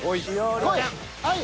こい！